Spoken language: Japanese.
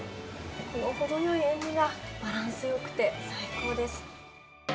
この程よい塩味が、バランスよくて最高です。